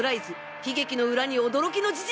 悲劇の裏に驚きの事実